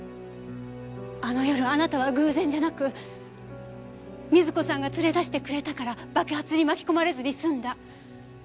あの夜あなたは偶然じゃなく瑞子さんが連れ出してくれたから爆発に巻き込まれずに済んだ。